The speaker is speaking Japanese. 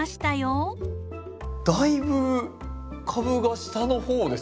だいぶ株が下の方ですね。